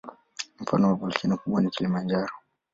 Mfano wa volkeno kubwa ni Kilimanjaro.